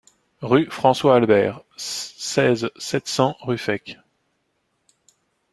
Rue François Albert, seize, sept cents Ruffec